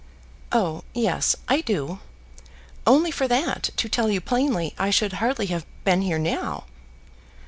"Oh, yes; I do. Only for that, to tell you plainly, I should hardly have been here now."